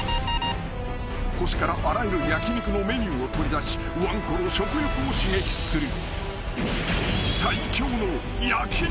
［腰からあらゆる焼き肉のメニューを取り出しわんこの食欲を刺激する］